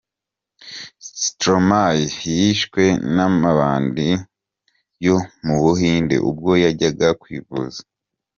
Skromane yishwe n’amabandi yo mu Buhinde ubwo yajyaga kwivuza .